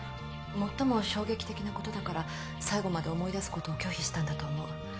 最も衝撃的なことだから最後まで思い出すことを拒否したんだと思う。